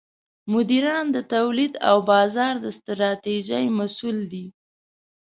مدیران د تولید او بازار د ستراتیژۍ مسوول دي.